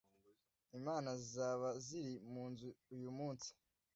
imana zizaba ziri munzu uyumunsi